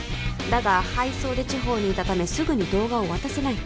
「だが配送で地方にいたためすぐに動画を渡せない」